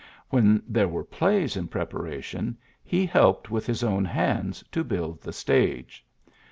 When there were plays in prepara tion, he helped with his own hands to build the stage.